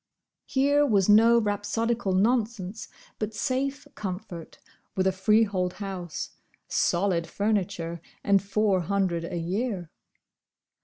Here was no rhapsodical nonsense, but safe comfort, with a freehold house, solid furniture, and Four hundred a year.